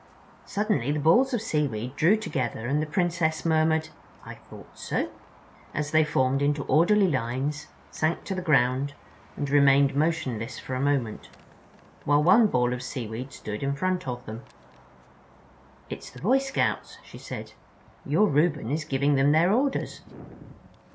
Suddenly the balls of seaweed drew together and the Princess murmured, "I thought so," as they formed into orderly lines, sank to the ground, and remained motionless for a moment, while one ball of seaweed stood in front of them. "It's the Boy Scouts," she said. "Your Reuben is giving them their orders."